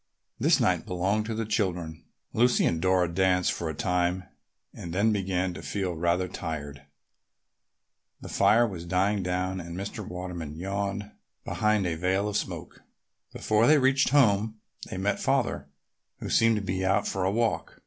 This night belonged to the children. Lucy and Dora danced for a time and then began to feel rather tired. The fire was dying down and Mr. Waterman yawned behind a veil of smoke. Before they reached home they met Father, who seemed to be out for a walk.